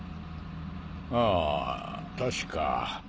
あぁ確か。